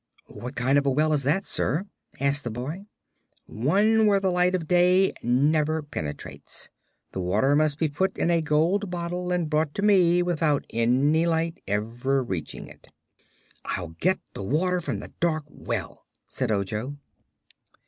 "What kind of a well is that, sir?" asked the boy. "One where the light of day never penetrates. The water must be put in a gold bottle and brought to me without any light ever reaching it." "I'll get the water from the dark well," said Ojo.